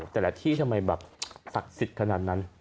แต่ละที่ทำไมแบบศักดิ์สิทธิ์ขนาดนั้น